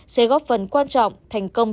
sẽ góp phần quan trọng thành công